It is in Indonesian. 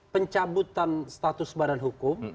pencabutan status badan hukum